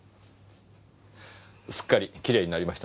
すっかりきれいになりましたね